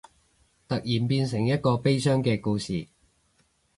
突然變成一個悲傷嘅故事